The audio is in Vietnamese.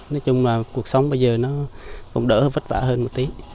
nói chung là cuộc sống bây giờ nó cũng đỡ vất vả hơn một tí